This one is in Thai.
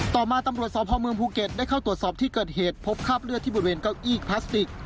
ต่อมาตำรวจสพเมืองภูเก็ตได้เข้าตรวจสอบที่เกิดเหตุพบคราบเลือดที่บริเวณเก้าอี้พลาสติก